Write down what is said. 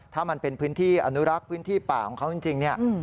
ถ้ามันเป็นพื้นที่อนุรักษ์พื้นที่ป่าของเขาจริงเนี่ย